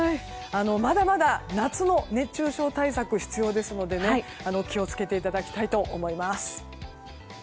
まだまだ夏の熱中症対策必要ですので気を付けていただきたいと思います。